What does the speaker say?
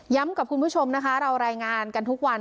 กับคุณผู้ชมนะคะเรารายงานกันทุกวัน